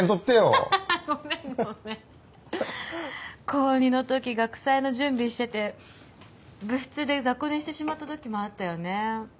高２のとき学祭の準備してて部室で雑魚寝してしまったときもあったよね。